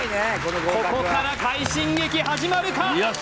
ここから快進撃始まるか？